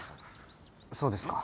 そうですか。